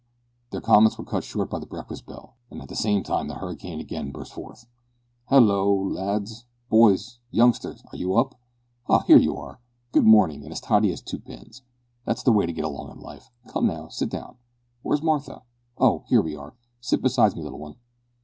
Their comments were cut short by the breakfast bell; at the same time the hurricane again burst forth: "Hallo! lads boys! Youngsters! Are you up? ah! here you are. Good morning, and as tidy as two pins. That's the way to get along in life. Come now, sit down. Where's Martha? Oh! here we are. Sit beside me, little one."